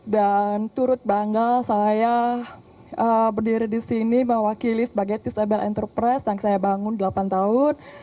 dan turut bangga saya berdiri di sini mewakili sebagai disable enterprise yang saya bangun delapan tahun